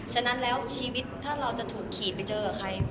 ฉะนั้นแล้วชีวิตถ้าเราจะถูกขีดไปเจอกับใคร